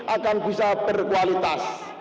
akan bisa berkualitas